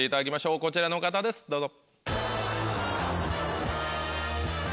こちらの方ですどうぞ。